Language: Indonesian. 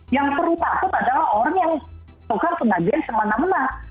yang perlu takut adalah orang yang tukar pengajian semana mana